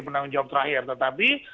penanggung jawab terakhir tetapi